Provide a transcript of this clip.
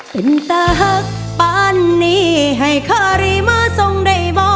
เป็นตาหักปานนี้ให้คารีมาทรงได้บ่